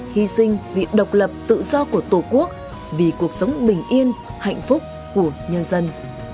hy sinh vì độc lập tự do của tổ quốc vì cuộc sống bình yên hạnh phúc của nhân dân